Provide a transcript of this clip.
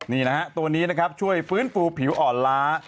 นี่นะฮะตัวนี้นะครับช่วยฟื้นฟูผิวอ่อนล้า